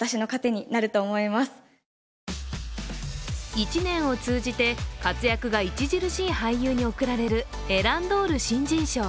１年を通じて活躍が著しい俳優に贈られるエランドール新人賞。